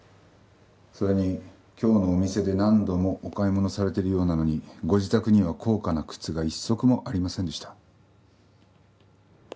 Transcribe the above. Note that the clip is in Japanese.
それに今日のお店で何度もお買い物されてるようなのにご自宅には高価な靴が一足もありませんでした。